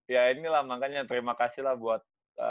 ya inilah makanya terima kasih lah buat